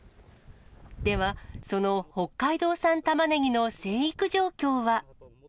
では、その北海道産たまねぎの生育状況は。